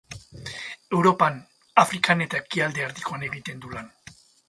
Europan, Afrikan eta Ekialde Erdikoan egiten du lan.